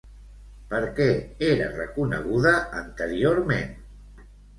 Per què era reconeguda anteriorment?